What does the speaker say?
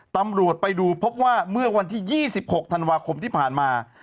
ตำรวจไปดูพบว่าเมื่อวันที่๒๖ธันวาคมที่ผ่านมา